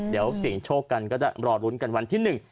เดี๋ยวเสี่ยงโชคกันก็จะรอลุ้นกันวันที่หนึ่ง